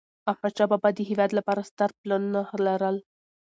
احمدشاه بابا د هېواد لپاره ستر پلانونه لرل.